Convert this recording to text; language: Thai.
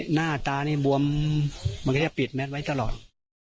หน้าตานี่บวมมันก็จะปิดแมทไว้ตลอด